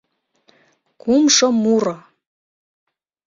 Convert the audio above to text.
КУМШО МУРО